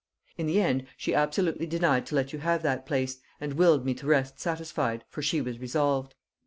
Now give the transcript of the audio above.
In the end she absolutely denied to let you have that place and willed me to rest satisfied, for she was resolved.